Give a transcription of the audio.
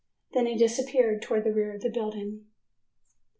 Then he disappeared towards the rear of the building.